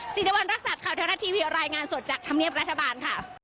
สิริวัณรักษัตริย์ข่าวเทวรัฐทีวีรายงานสดจากธรรมเนียบรัฐบาลค่ะ